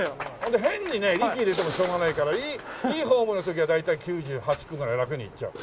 変に力入れてもしょうがないからいいフォームの時は大体９８９９ぐらいラクにいっちゃう。